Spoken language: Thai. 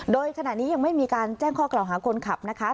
โดยขณะนี้ยังไม่มีการแจ้งข้อกล่าวหาคนขับนะคะ